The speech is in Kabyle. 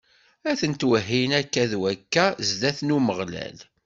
A tent-wehhin akka d wakka zdat n Umeɣlal.